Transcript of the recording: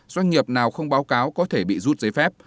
doanh nghiệp nào không báo cáo có thể bị rút giấy phép